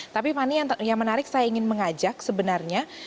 tapi fani yang menarik saya ingin mengajak sebenarnya